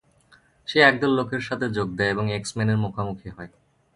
সে একদল লোকের সাথে যোগ দেয় এবং এক্স-মেনের মুখোমুখি হয়।